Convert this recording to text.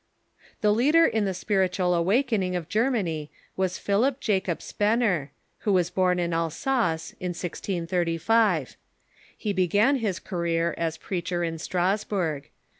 The leader in the spiritual quickening of Germany was Philip Jacob Spener, Avho was born in Alsace, in 1635. He began his career as preacher in Strasburg.